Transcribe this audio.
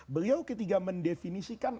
beliau ketika mendefinisikan